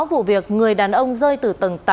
vụ việc người đàn ông rơi từ tầng tám